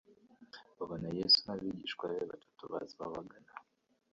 Babona Yesu n'abigishwa be batatu baza babagana,